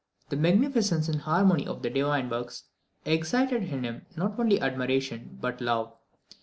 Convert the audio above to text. The magnificence and harmony of the divine works excited in him not only admiration but love.